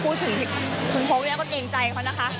พูดถึงคุณพกเนี่ยก็เกรงใจเขานะคะ